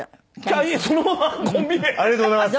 ありがとうございます。